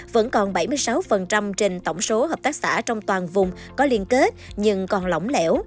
vẫn còn bảy mươi sáu trên tổng số hợp tác xã trong toàn vùng có liên kết nhưng còn lỏng lẻo